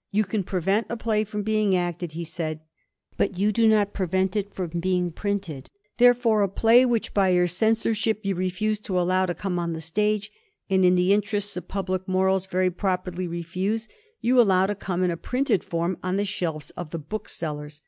" You can prevent a play from being acted," he said, "but you do not prevent it from being printed. Therefore a play which by your censorship you refuse to allow to come on the stage, and in the interests of public morals very properly refuse, you allow to come in a printed form on the shelves of the booksellers.